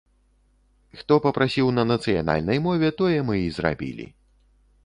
Хто папрасіў на нацыянальнай мове, тое мы і зрабілі.